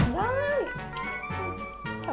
ได้